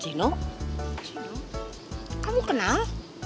gino kamu kenal